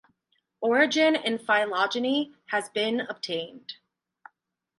Origin and phylogeny has been obtained.